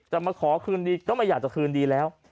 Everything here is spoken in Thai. มาขอคืนดีก็ไม่อยากจะคืนดีแล้ว